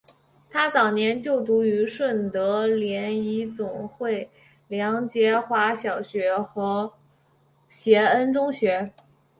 她早年就读顺德联谊总会梁洁华小学和协恩中学。